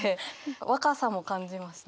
若さも感じました。